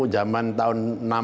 jaman tahun enam puluh